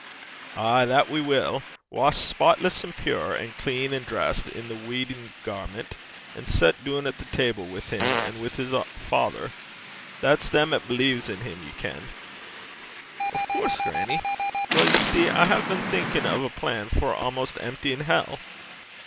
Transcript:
'Ay, that we will washed spotless, and pure, and clean, and dressed i' the weddin' garment, and set doon at the table wi' him and wi' his Father. That's them 'at believes in him, ye ken.' 'Of coorse, grannie. Weel, ye see, I hae been thinkin' o' a plan for maist han' toomin' (almost emptying) hell.'